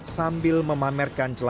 sambil memamerkan cinta